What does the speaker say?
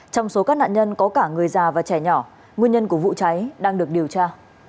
trong số các nạn nhân có cả người già và trẻ nhỏ nguyên nhân của vụ cháy đang được điều tra